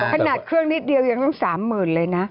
ขนาดเครื่องนิดเดียวยังต้องสามหมื่นเลยนะ